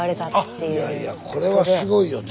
いやいやこれはすごいよね。